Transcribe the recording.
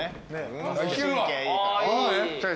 運動神経いいから。